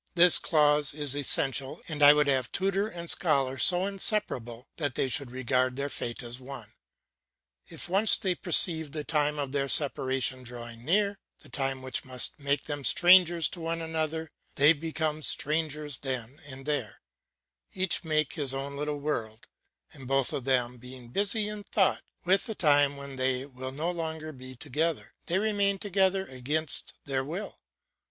This clause is essential, and I would have tutor and scholar so inseparable that they should regard their fate as one. If once they perceive the time of their separation drawing near, the time which must make them strangers to one another, they become strangers then and there; each makes his own little world, and both of them being busy in thought with the time when they will no longer be together, they remain together against their will.